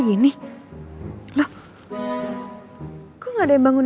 kebetulan akan diam banget